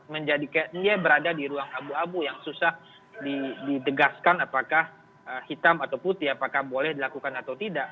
menjadi kayak dia berada di ruang abu abu yang susah didegaskan apakah hitam atau putih apakah boleh dilakukan atau tidak